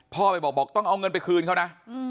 พ่อไปบอกบอกต้องเอาเงินไปคืนเขานะ